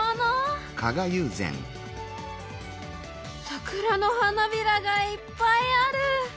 桜の花びらがいっぱいある。